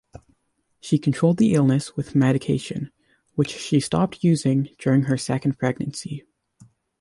She controlled the illness with medication, which she stopped using during her second pregnancy.